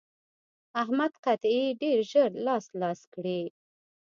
احمد قطعې ډېر ژر لاس لاس کړې.